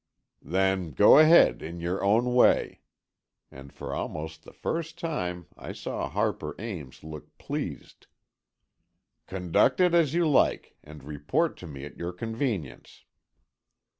"Then, go ahead, in your own way," and for almost the first time, I saw Harper Ames look pleased. "Conduct it as you like, and report to me at your convenience."